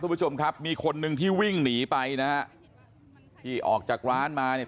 ผู้ชมครับมีคนนึงที่วิ่งหนีไปนะฮะที่ออกจากร้านมาเนี่ย